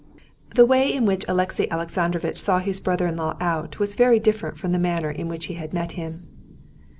The way in which Alexey Alexandrovitch saw his brother in law out was very different from the manner in which he had met him.